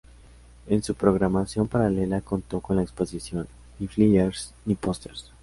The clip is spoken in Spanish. En su programación paralela contó con la exposición "Ni flyers, ni pósters.